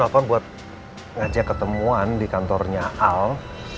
dia nelfon buat ngajak ketemuan di kantornya al